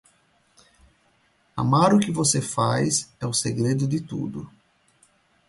Amar o que você faz é o segredo de tudo.